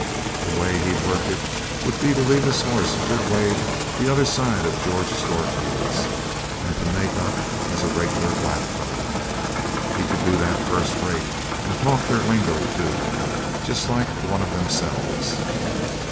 The way he'd work it would be to leave his horse a good way the other side of George Storefield's, and to make up as a regular blackfellow. He could do that first rate, and talk their lingo, too, just like one of themselves.